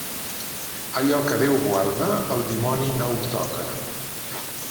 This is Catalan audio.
Allò que Déu guarda, el dimoni no ho toca.